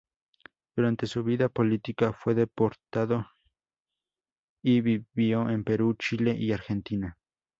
Durante su vida política fue deportado y vivió en Perú, Chile y Argentina.